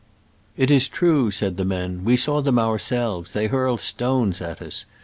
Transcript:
" It is true," said the men. "We saw them ourselves — they hurled stones at us !